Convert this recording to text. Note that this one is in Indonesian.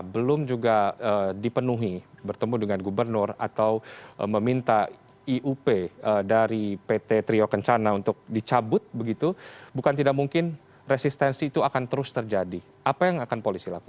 sehingga ketika warga menolak